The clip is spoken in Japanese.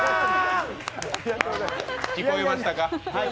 聞こえましたか？